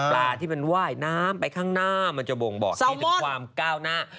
ที่มันว่ายน้ำไปข้างหน้ามันจะบ่งบอกให้ถึงความก้าวหน้า